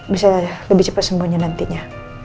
bisa lebih cepat sembunyi nantinya